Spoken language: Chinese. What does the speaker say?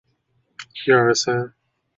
明朝政治人物。